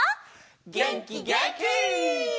げんきげんき！